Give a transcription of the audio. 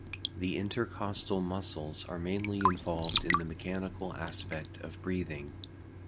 The intercostal muscles are mainly involved in the mechanical aspect of breathing.